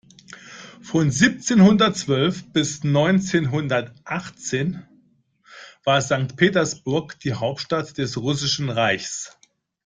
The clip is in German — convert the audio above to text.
Von siebzehnhundertzwölf bis neunzehnhundertachtzehn war Sankt Petersburg die Hauptstadt des Russischen Reichs.